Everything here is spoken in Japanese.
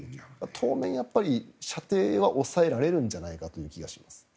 当面、射程は抑えられるんじゃないかという気がします。